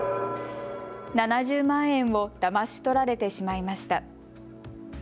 ７０万円をだまし取られてしまいました。